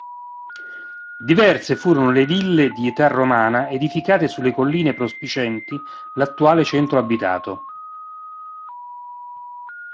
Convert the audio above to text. Diverse furono le "villae" di età romana edificate sulle colline prospicienti l'attuale centro abitato.